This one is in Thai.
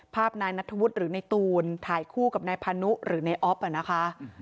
นายนัทธวุฒิหรือในตูนถ่ายคู่กับนายพานุหรือในออฟนะคะ